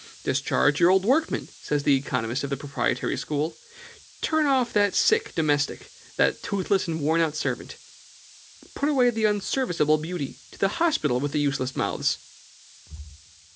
"Discharge your old workman," says the economist of the proprietary school; "turn off that sick domestic, that toothless and worn out servant. Put away the unserviceable beauty; to the hospital with the useless mouths!"